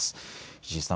石井さん